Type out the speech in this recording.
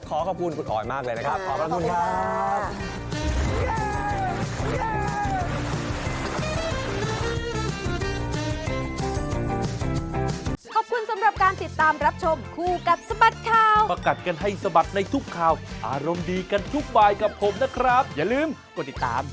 ขอขอบคุณคุณออยมากเลยนะครับขอบพระคุณครับ